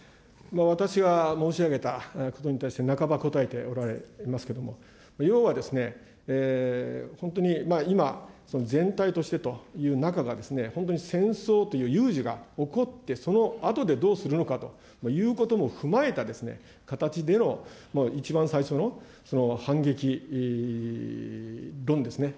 私が申し上げたことに対して半ば答えておられますけれども、要は本当に今、全体としてという中が、本当に戦争という有事が起こって、そのあとでどうするのかということも踏まえた形での、一番最初の反撃論ですね。